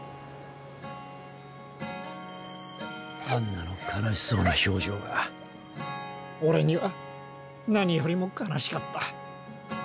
アンナの悲しそうな表情がオレには何よりも悲しかった。